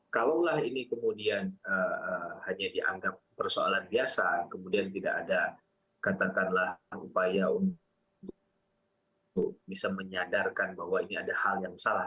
kalau ini kemudian hanya dianggap persoalan biasa kemudian tidak ada katakanlah upaya untuk bisa menyadarkan bahwa ini ada hal yang salah